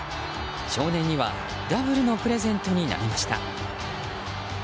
少年にはダブルのプレゼントになりました。